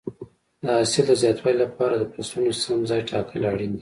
د حاصل د زیاتوالي لپاره د فصلونو سم ځای ټاکل اړین دي.